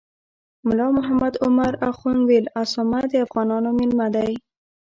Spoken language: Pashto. ملا محمد عمر اخند ویل اسامه د افغانانو میلمه دی.